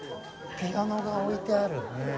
ピアノが置いてある。